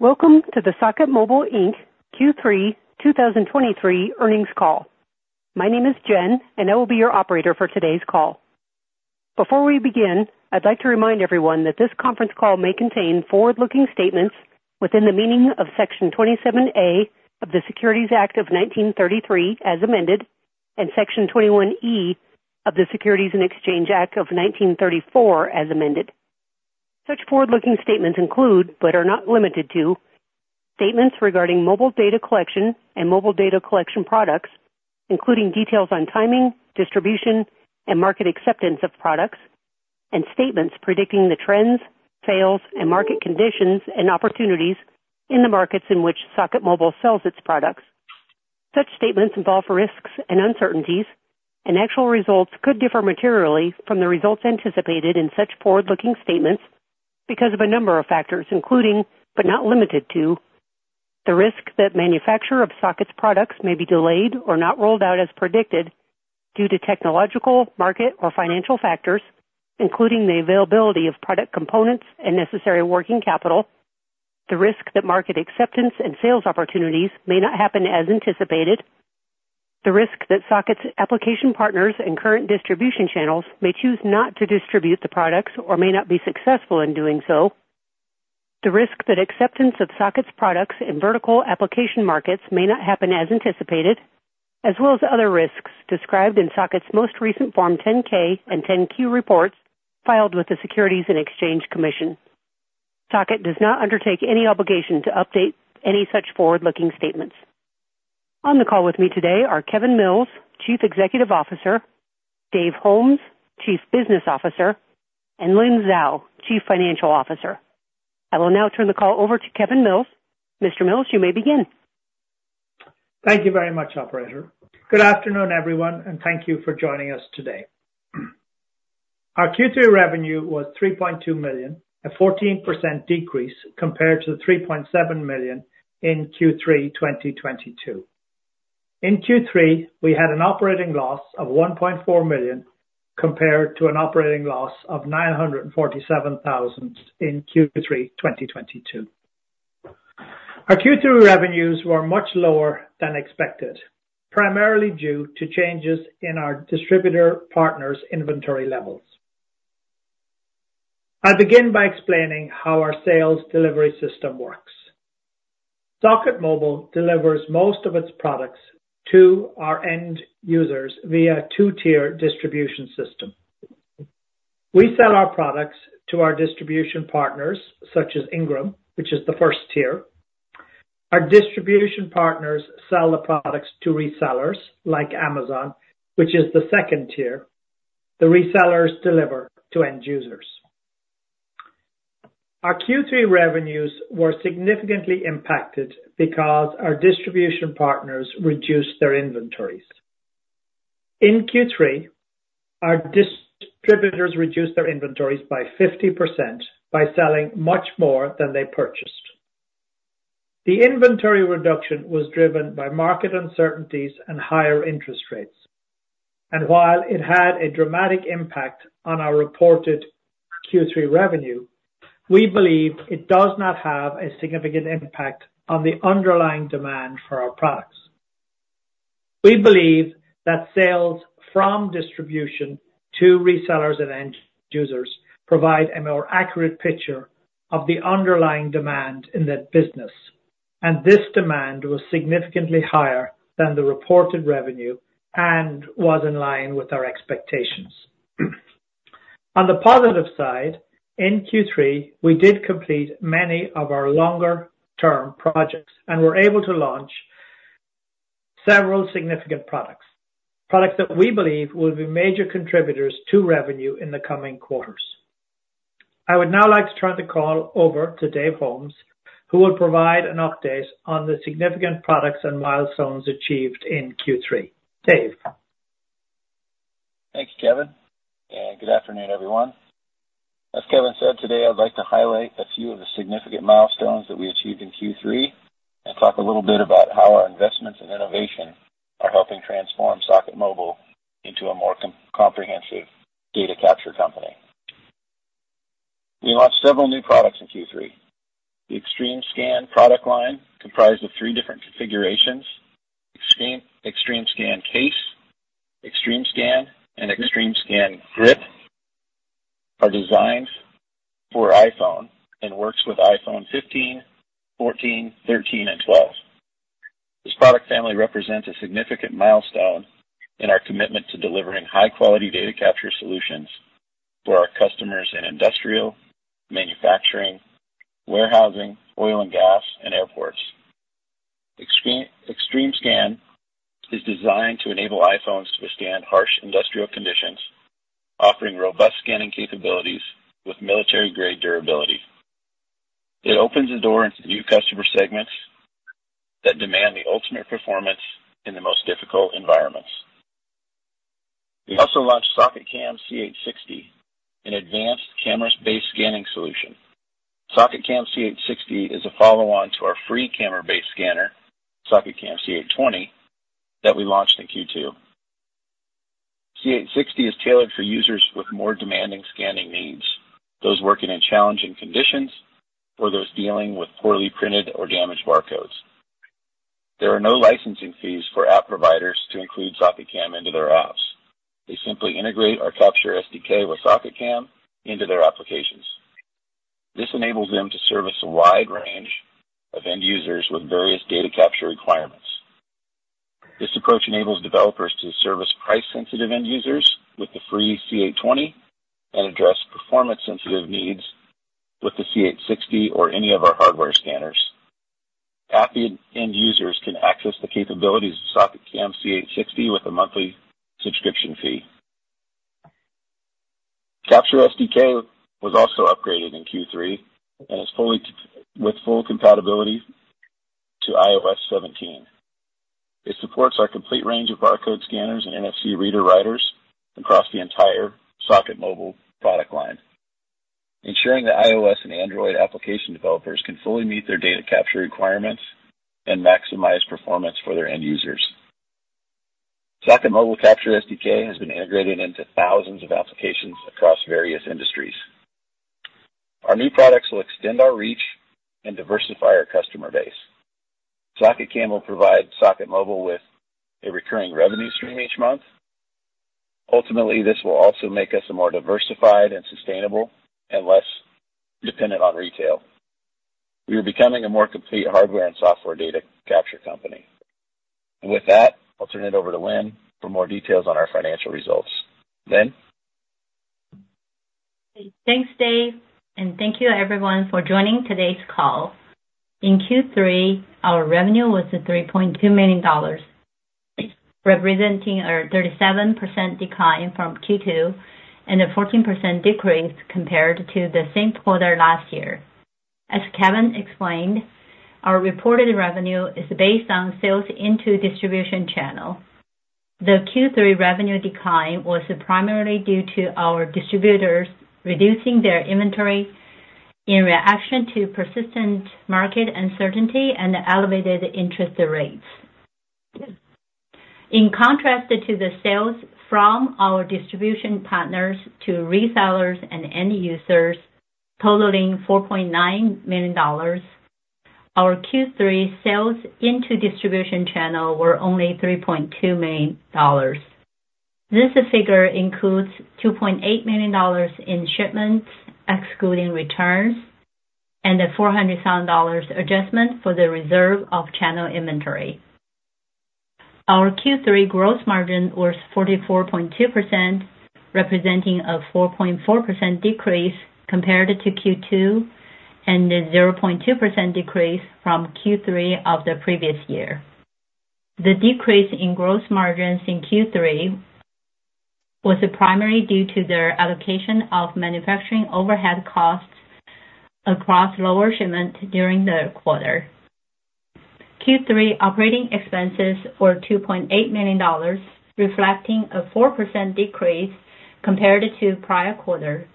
Welcome to the Socket Mobile, Inc. Q3 2023 earnings call. My name is Jen, and I will be your operator for today's call. Before we begin, I'd like to remind everyone that this conference call may contain forward-looking statements within the meaning of Section 27A of the Securities Act of 1933, as amended, and Section 21E of the Securities and Exchange Act of 1934, as amended. Such forward-looking statements include, but are not limited to, statements regarding mobile data collection and mobile data collection products, including details on timing, distribution and market acceptance of products, and statements predicting the trends, sales, and market conditions and opportunities in the markets in which Socket Mobile sells its products. Such statements involve risks and uncertainties, and actual results could differ materially from the results anticipated in such forward-looking statements because of a number of factors, including, but not limited to, the risk that manufacture of Socket's products may be delayed or not rolled out as predicted due to technological, market, or financial factors, including the availability of product components and necessary working capital, the risk that market acceptance and sales opportunities may not happen as anticipated, the risk that Socket's application partners and current distribution channels may choose not to distribute the products or may not be successful in doing so, the risk that acceptance of Socket's products in vertical application markets may not happen as anticipated, as well as other risks described in Socket's most recent Form 10-K and 10-Q reports filed with the Securities and Exchange Commission. Socket does not undertake any obligation to update any such forward-looking statements. On the call with me today are Kevin Mills, Chief Executive Officer, Dave Holmes, Chief Business Officer, and Lynn Zhao, Chief Financial Officer. I will now turn the call over to Kevin Mills. Mr. Mills, you may begin. Thank you very much, operator. Good afternoon everyone and thank you for joining us today. Our Q3 revenue was $3.2 million, a 14% decrease compared to the $3.7 million in Q3 2022. In Q3, we had an operating loss of $1.4 million compared to an operating loss of $947,000 in Q3 2022. Our Q3 revenues were much lower than expected, primarily due to changes in our distributor partners' inventory levels. I'll begin by explaining how our sales delivery system works. Socket Mobile delivers most of its products to our end users via a two-tier distribution system. We sell our products to our distribution partners, such as Ingram, which is the first tier. Our distribution partners sell the products to resellers like Amazon, which is the second tier. The resellers deliver to end users. Our Q3 revenues were significantly impacted because our distribution partners reduced their inventories. In Q3, our distributors reduced their inventories by 50% by selling much more than they purchased. The inventory reduction was driven by market uncertainties and higher interest rates, and while it had a dramatic impact on our reported Q3 revenue, we believe it does not have a significant impact on the underlying demand for our products. We believe that sales from distribution to resellers and end users provide a more accurate picture of the underlying demand in that business, and this demand was significantly higher than the reported revenue and was in line with our expectations. On the positive side, in Q3 we did complete many of our longer-term projects and were able to launch several significant products, products that we believe will be major contributors to revenue in the coming quarters. I would now like to turn the call over to Dave Holmes, who will provide an update on the significant products and milestones achieved in Q3. Dave? Thank you Kevin and good afternoon everyone. As Kevin said today, I'd like to highlight a few of the significant milestones that we achieved in Q3 and talk a little bit about how our investments in innovation are helping transform Socket Mobile into a more comprehensive data capture company. We launched several new products in Q3. The XtremeScan product line, comprised of three different configurations: XtremeScan Case, XtremeScan, and XtremeScan Grip are designed for iPhone and works with iPhone 15, 14, 13, and 12. This product family represents a significant milestone in our commitment to delivering high-quality data capture solutions for our customers in industrial, manufacturing, warehousing, oil and gas, and airports. The XtremeScan is designed to enable iPhones to withstand harsh industrial conditions, offering robust scanning capabilities with military-grade durability. It opens the door into new customer segments that demand the ultimate performance in the most difficult environments. We also launched SocketCam C860, an advanced camera-based scanning solution. SocketCam C860 is a follow-on to our free camera-based scanner, SocketCam C820 that we launched in Q2. C860 is tailored for users with more demanding scanning needs, those working in challenging conditions or those dealing with poorly printed or damaged barcodes. There are no licensing fees for app providers to include SocketCam into their apps. They simply integrate our CaptureSDK with SocketCam into their applications. This enables them to service a wide range of end users with various data capture requirements. This approach enables developers to service price-sensitive end users with the free C820 and address performance-sensitive needs with the C860 or any of our hardware scanners. App end users can access the capabilities of SocketCam C860 with a monthly subscription fee. CaptureSDK was also upgraded in Q3 and is with full compatibility to iOS 17. It supports our complete range of barcode scanners and NFC reader writers across the entire Socket Mobile product line, ensuring that iOS and Android application developers can fully meet their data capture requirements and maximize performance for their end users. Socket Mobile CaptureSDK has been integrated into thousands of applications across various industries. Our new products will extend our reach and diversify our customer base. SocketCam will provide Socket Mobile with a recurring revenue stream each month. Ultimately this will also make us a more diversified and sustainable and less dependent on retail. We are becoming a more complete hardware and software data capture company. With that, I'll turn it over to Lynn for more details on our financial results. Lynn? Thanks Dave and thank you everyone for joining today's call. In Q3, our revenue was at $3.2 million, representing a 37% decline from Q2 and a 14% decrease compared to the same quarter last year. As Kevin explained our reported revenue is based on sales into distribution channel. The Q3 revenue decline was primarily due to our distributors reducing their inventory in reaction to persistent market uncertainty and elevated interest rates. In contrast to the sales from our distribution partners to resellers and end users totaling $4.9 million our Q3 sales into distribution channel were only $3.2 million. This figure includes $2.8 million in shipments, excluding returns, and a $400,000 adjustment for the reserve of channel inventory. Our Q3 gross margin was 44.2%, representing a 4.4% decrease compared to Q2 and a 0.2% decrease from Q3 of the previous year. The decrease in gross margins in Q3 was primarily due to the allocation of manufacturing overhead costs across lower shipments during the quarter. Q3 operating expenses were $2.8 million reflecting a 4% decrease compared to the prior quarter.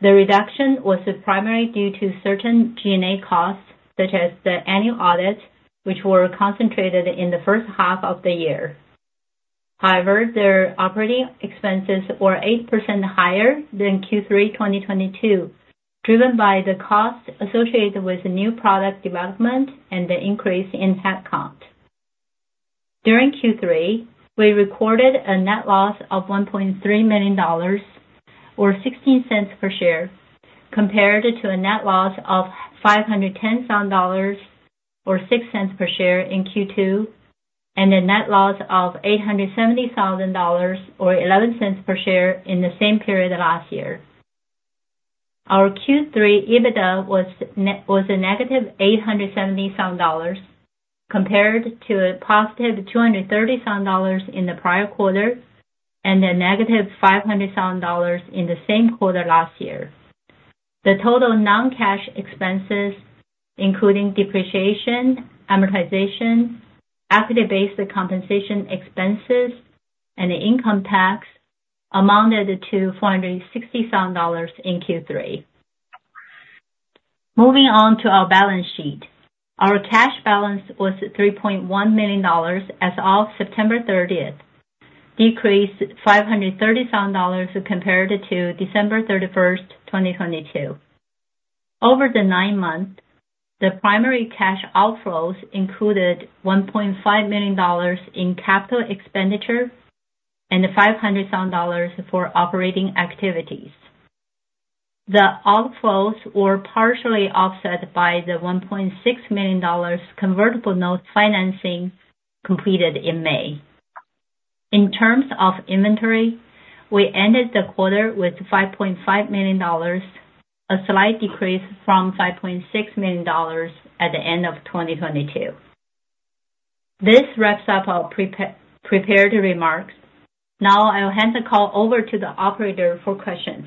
The reduction was primarily due to certain G&A costs, such as the annual audit, which were concentrated in the first half of the year. However their operating expenses were 8% higher than Q3 2022, driven by the costs associated with the new product development and the increase in headcount. During Q3 we recorded a net loss of $1.3 million, or $0.16 per share compared to a net loss of $510,000, or $0.06 per share in Q2 and a net loss of $870,000, or $0.11 per share in the same period last year. Our Q3 EBITDA was a negative $870,000, compared to a positive $230,000 in the prior quarter, and a negative $500,000 in the same quarter last year. The total non-cash expenses, including depreciation, amortization, equity-based compensation expenses, and income tax, amounted to $460,000 in Q3. Moving on to our balance sheet. Our cash balance was $3.1 million as of September 30, decreased $530,000 compared to December 31, 2022. Over the nine months, the primary cash outflows included $1.5 million in capital expenditure and the $500,000 for operating activities. The outflows were partially offset by the $1.6 million convertible note financing completed in May. In terms of inventory, we ended the quarter with $5.5 million, a slight decrease from $5.6 million at the end of 2022. This wraps up our prepared remarks. Now I'll hand the call over to the operator for questions.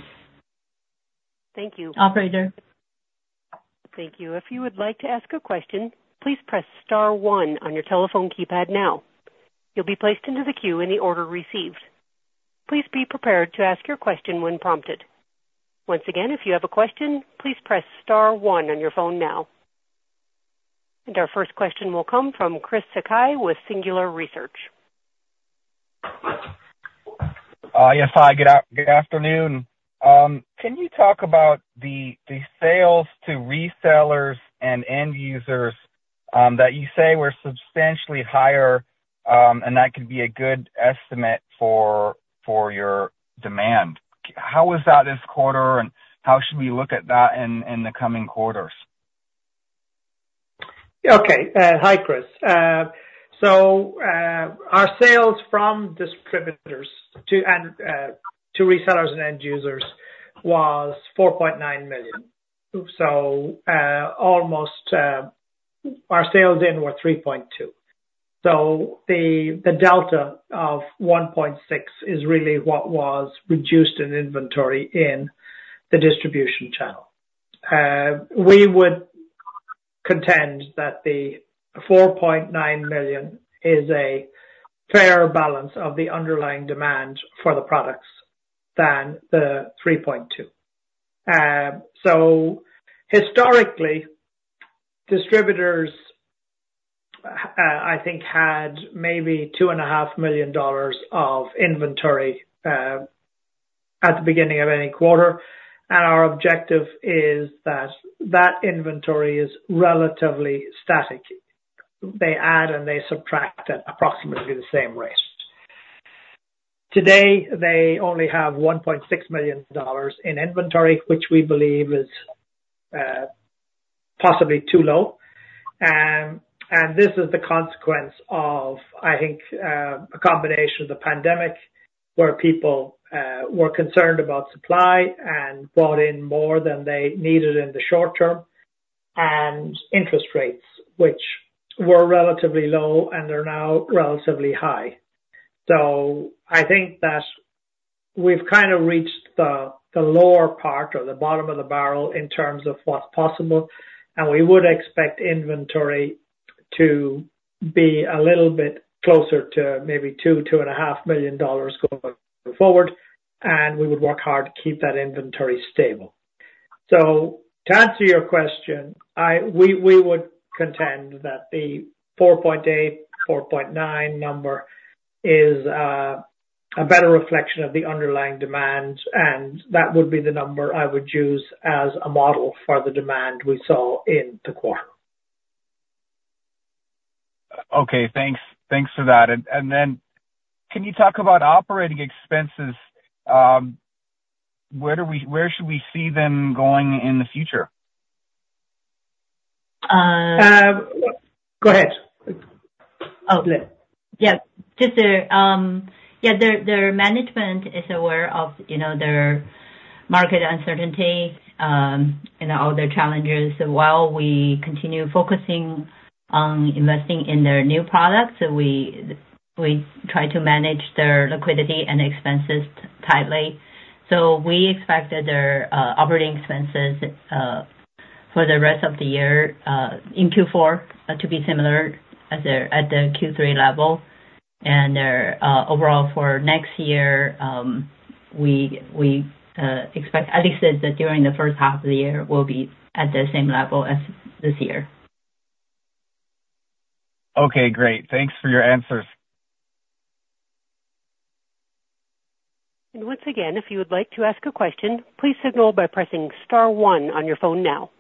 Thank you. Operator? Thank you. If you would like to ask a question please press star one on your telephone keypad now. You'll be placed into the queue in the order received. Please be prepared to ask your question when prompted. Once again if you have a question, please press star one on your phone now. Our first question will come from Chris Sakai with Singular Research. Yes hi, good afternoon. Can you talk about the sales to resellers and end users that you say were substantially higher and that could be a good estimate for your demand? How was that this quarter, and how should we look at that in the coming quarters? Okay. Hi Chris. So, our sales from distributors to and to resellers and end users was $4.9 million. So, almost, our sales in were $3.2 million. So the delta of $1.6 million is really what was reduced in inventory in the distribution channel. We would contend that the $4.9 million is a fair balance of the underlying demand for the products than the $3.2 million. So historically, distributors, I think had maybe $2.5 million of inventory at the beginning of any quarter, and our objective is that that inventory is relatively static. They add and they subtract at approximately the same rate. Today they only have $1.6 million in inventory, which we believe is possibly too low. And this is the consequence of, I think, a combination of the pandemic, where people were concerned about supply and bought in more than they needed in the short term, and interest rates, which were relatively low, and they're now relatively high. So I think that we've kind of reached the lower part or the bottom of the barrel in terms of what's possible, and we would expect inventory to be a little bit closer to maybe $2-$2.5 million going forward, and we would work hard to keep that inventory stable. So to answer your question, we would contend that the 4.8, 4.9 number is a better reflection of the underlying demand, and that would be the number I would use as a model for the demand we saw in the quarter. Okay, thanks. Thanks for that. And then can you talk about operating expenses? Where should we see them going in the future? Go ahead. Oh. Yeah, the management is aware of, you know, their market uncertainty and all the challenges, while we continue focusing on investing in their new products, we try to manage their liquidity and expenses tightly. So we expect that their operating expenses for the rest of the year in Q4 to be similar as at the Q3 level, and their overall for next year, we expect at least that during the first half of the year will be at the same level as this year. Okay, great. Thanks for your answers. Once again, if you would like to ask a question please signal by pressing star one on your phone now.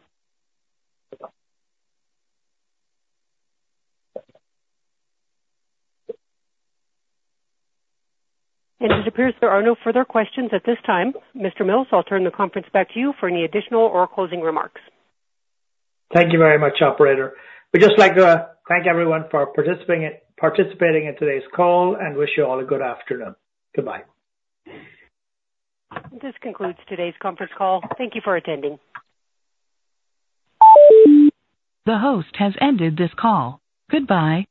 It appears there are no further questions at this time. Mr. Mills, I'll turn the conference back to you for any additional or closing remarks. Thank you very much operator. We'd just like to thank everyone for participating in today's call, and wish you all a good afternoon. Goodbye. This concludes today's conference call. Thank you for attending. The host has ended this call. Goodbye.